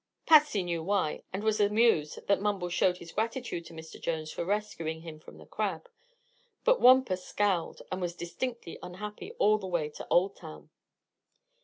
Patsy knew why, and was amused that Mumbles showed his gratitude to Mr. Jones for rescuing him from the crab; but Wampus scowled and was distinctly unhappy all the way to Old Town.